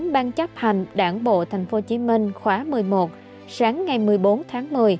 ban chấp hành đảng bộ tp hcm khóa một mươi một sáng ngày một mươi bốn tháng một mươi